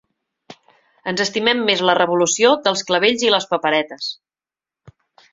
Ens estimem més la revolució dels clavells i les paperetes.